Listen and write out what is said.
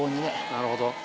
なるほど。